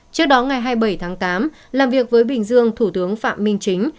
trước đó ngày hai mươi bảy tháng tám làm việc với bình dương thủ tướng phạm minh chính